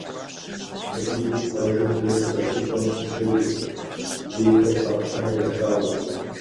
Сабийуэ къуажэм дэсыр а щӏыпӏэм щыджэгурт, зейхэр къаплъэмэ ялъагъуу.